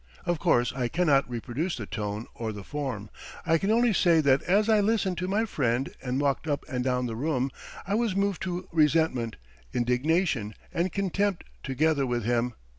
Of course I cannot reproduce the tone or the form; I can only say that as I listened to my friend and walked up and down the room, I was moved to resentment, indignation, and contempt together with him.